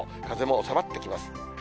風も収まってきます。